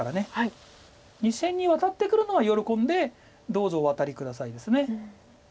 ２線にワタってくるのは喜んで「どうぞおワタり下さい」です。